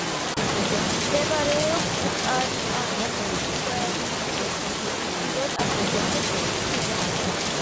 მდებარეობდა კარპატის მთების ჩრდილო-აღმოსავლეთ ფერდობებზე.